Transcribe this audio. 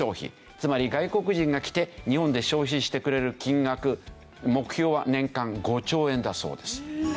つまり外国人が来て日本で消費してくれる金額目標は年間５兆円だそうです。